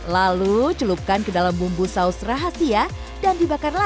lalu celupkan ke dalam bumbu saus rahasia dan dibakar lagi